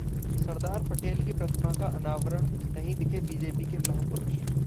सरदार पटेल की प्रतिमा का अनावरण, नहीं दिखे बीजेपी के लौहपुरुष